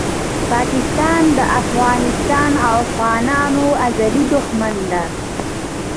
پاکستان دافغانستان او افغانانو ازلي دښمن ده